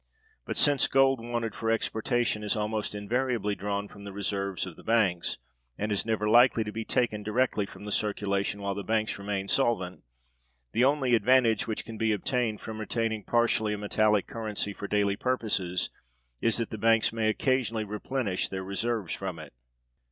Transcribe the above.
But since gold wanted for exportation is almost invariably drawn from the reserves of the banks, and is never likely to be taken directly from the circulation while the banks remain solvent, the only advantage which can be obtained from retaining partially a metallic currency for daily purposes is, that the banks may occasionally replenish their reserves from it.